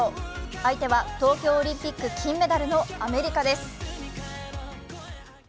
相手は東京オリンピック金メダルのアメリカです。